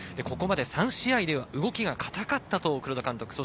ここまで３試合では動きが堅かったと黒田監督。